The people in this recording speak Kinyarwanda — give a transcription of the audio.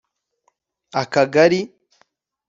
Akagari